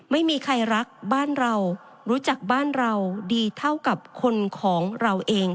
ไม่มีใครรักบ้านเรารู้จักบ้านเราดีเท่ากับคนของเราเอง